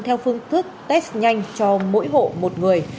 theo phương thức test nhanh cho mỗi hộ một người